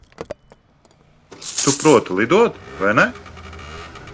Tu proti lidot, vai ne?